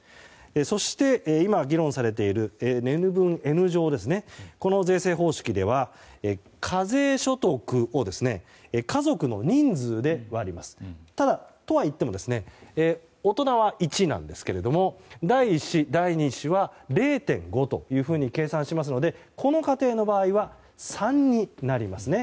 そして今、議論されているＮ分Ｎ乗のこの税制方式では課税所得を家族の人数で割ります。とはいっても大人は１なんですが第１子、第２子は０．５と計算しますのでこの家庭の場合は３になりますね。